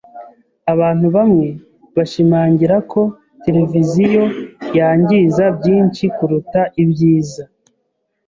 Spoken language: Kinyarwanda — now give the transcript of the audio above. Abantu bamwe bashimangira ko televiziyo yangiza byinshi kuruta ibyiza.